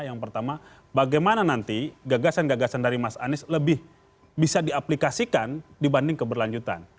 yang pertama bagaimana nanti gagasan gagasan dari mas anies lebih bisa diaplikasikan dibanding keberlanjutan